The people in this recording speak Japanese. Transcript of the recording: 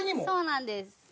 そうなんです。